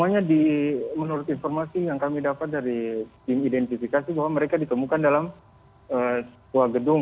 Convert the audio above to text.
semuanya di menurut informasi yang kami dapat dari tim identifikasi bahwa mereka ditemukan dalam sebuah gedung